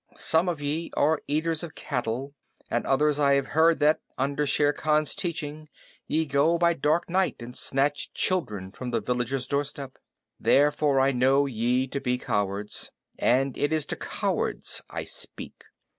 Some of ye are eaters of cattle, and of others I have heard that, under Shere Khan's teaching, ye go by dark night and snatch children from the villager's doorstep. Therefore I know ye to be cowards, and it is to cowards I speak.